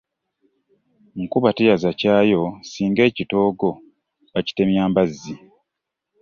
Nkuba teyaza kyayo, singa ekitoogo bakitemya mbazzi .